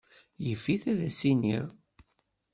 Yif-it ad as-iniɣ.